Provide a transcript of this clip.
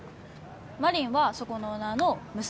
真凛はそこのオーナーの娘